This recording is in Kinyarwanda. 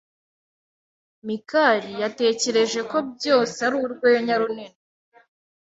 Mikali yatekereje ko byose ari urwenya runini.